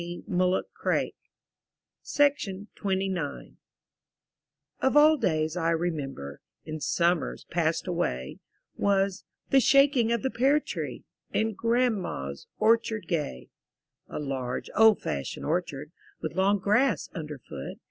Muloch Craik Of all days I remember, In summers passed away, Was the shaking of the pear tree,*' In grandma's orchard gay. A large, old fashioned orchard. With long grass under foot.